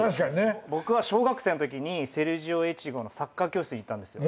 僕は小学生のときにセルジオ越後のサッカー教室に行ったんですよ。